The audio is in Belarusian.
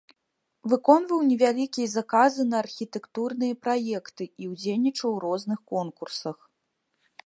Выконваў невялікія заказы на архітэктурныя праекты і ўдзельнічаў у розных конкурсах.